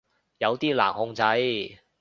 有啲難控制